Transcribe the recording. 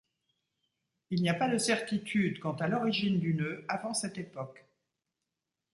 Il n'y a pas de certitude quant à l'origine du nœud avant cette époque.